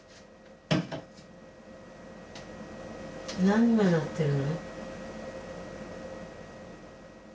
何が鳴ってるの？